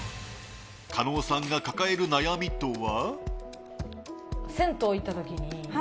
加納さんが抱える悩みとは？